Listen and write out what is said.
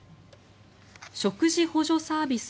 食事補助サービス